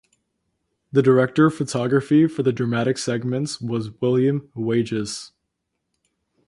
The director of photography for the dramatic segments was William Wages.